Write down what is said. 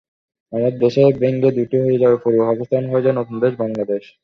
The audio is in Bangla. আমাদের দেশ ভেঙে দুটো হয়ে যায়, পূর্ব পাকিস্তান হয়ে যায় নতুন দেশ—বাংলাদেশ।